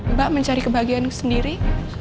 mbak mencari kebahagiaan sendiri